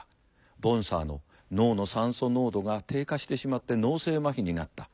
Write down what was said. ボンサーの脳の酸素濃度が低下してしまって脳性まひになった。